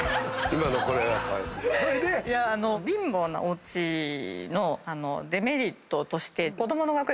貧乏なおうちのデメリットとして。